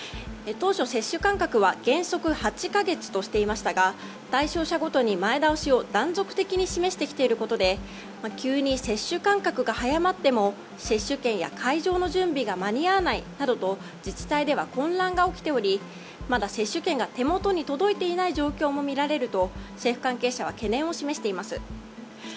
当初、接種間隔は原則８か月としていましたが対象者ごとに前倒しを断続的に示してきていることで急に接種間隔が早まっても接種券や会場の準備が間に合わないなどと自治体では混乱が起きておりまだ接種券が手元に届いていない状況も見られると政府関係者は懸念を示しています。